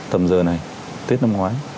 tầm giờ này tết năm ngoái